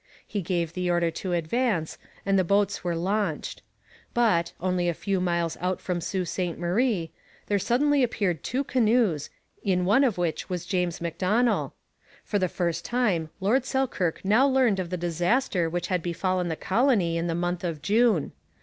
He gave the order to advance, and the boats were launched. But, only a few miles out from Sault Ste Marie, there suddenly appeared two canoes, in one of which was Miles Macdonell. For the first time Lord Selkirk now learned of the disaster which had befallen the colony in the month of June.